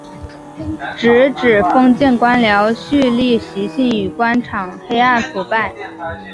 直指封建官僚胥吏习性与官场黑暗腐败。